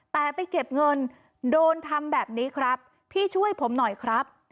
แต่ไปเก็บเงินโดนทำแบบนี้ครับพี่ช่วยผมหน่อยครับ